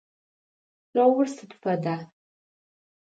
Шъоур сыд фэда?